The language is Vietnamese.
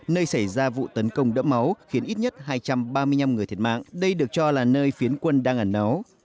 nơi xảy ra vụ tấn công đẫm máu khiến ít nhất hai trăm ba mươi năm người thiệt mạng đây được cho là nơi phiến quân đang ẩn nấu